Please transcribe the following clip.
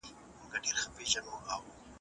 که روغه وکړو نو وینه نه توییږي.